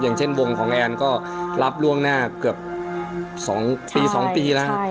อย่างเช่นวงของแอนก็รับล่วงหน้าเกือบ๒ปี๒ปีแล้ว